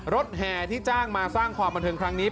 แห่ที่จ้างมาสร้างความบันเทิงครั้งนี้